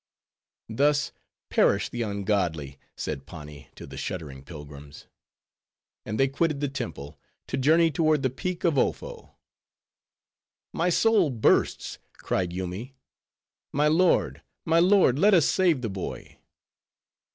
"Thus perish the ungodly," said Pani to the shuddering pilgrims. And they quitted the temple, to journey toward the Peak of Ofo. "My soul bursts!" cried Yoomy. "My lord, my lord, let us save the boy."